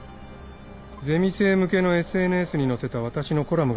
ゼミ生向けのＳＮＳに載せた私のコラムがあるね。